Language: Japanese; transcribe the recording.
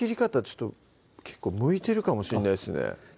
ちょっと結構向いてるかもしれないですね